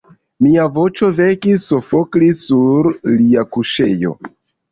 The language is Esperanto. Mia voĉo vekis Sofoklis sur lia kuŝejo.